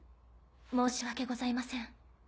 申し訳ございません。